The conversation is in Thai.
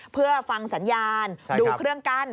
เพื่อฟังสัญญาณดูเครื่องกั้น